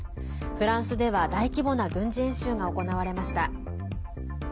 フランスでは大規模な軍事演習が行われました。